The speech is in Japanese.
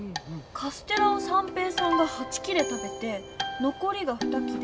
カステラを三平さんが８きれ食べてのこりが２きれ。